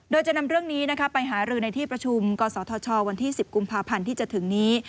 โดยจะนำเรื่องนี้ไปหารือในที่ประชุมกศธชวันที่๑๐กุมภาพันธ์ที่จะถึงนี้